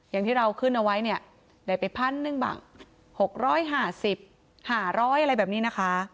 อย่างที่เราขึ้นเอาไว้เนี่ยได้ไปพันหนึ่งบังหกร้อยห้าสิบห้าร้อยอะไรแบบนี้นะคะ